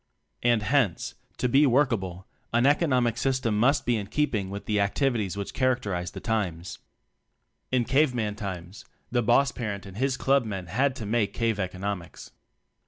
And, hence, to be workable an "economic system" must be in keeping with the activities which characterize the times. In cave man times, the boss parent and his club men had to make cave economics.